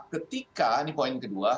ketika ini poin kedua